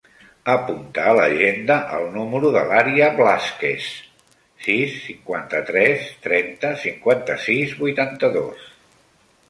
Apunta a l'agenda el número de l'Aria Blazquez: sis, cinquanta-tres, trenta, cinquanta-sis, vuitanta-dos.